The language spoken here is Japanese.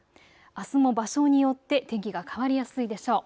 あすも場所によって天気が変わりやすいでしょう。